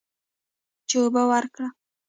چې اوبه ورکړه.